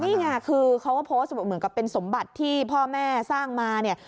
นี่ไงคือเขาก็โพสต์เหมือนกับเป็นสมบัติที่พ่อแม่สร้างมาเนี่ย